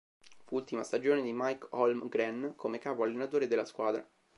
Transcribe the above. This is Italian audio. Fu ultima stagione di Mike Holmgren come capo-allenatore della squadra.